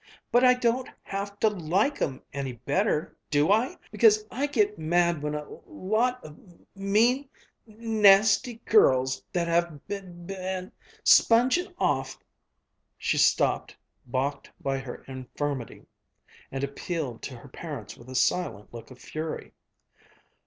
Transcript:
"But I don't have to like 'em any better, do I because I get mad when a l l lot of mean, n nasty girls that have b b b been s s spongin' off " She stopped, balked by her infirmity, and appealed to her parents with a silent look of fury.